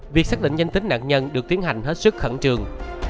việc xác định danh tính nạn nhân được tiến hành hết sức khẩn trường